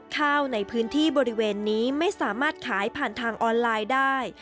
ข้าวในพื้นที่บริเวณนี้ไม่สามารถขายผ่านทางออนไลน์ได้